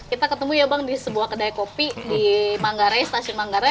kita ketemu ya bang di sebuah kedai kopi di manggarai stasiun manggarai